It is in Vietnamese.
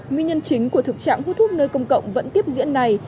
nguyên nhân chính của thực trạng hút thuốc nơi công cộng vẫn tiếp diễn này